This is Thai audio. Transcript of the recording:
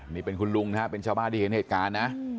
นี่เป็นคุณลุงนะฮะเป็นชาวบ้านที่เห็นเหตุการณ์นะ